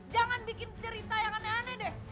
jangan bikin cerita yang aneh aneh deh